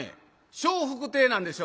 笑福亭なんですよ